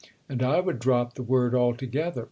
And I would drop the word altogether.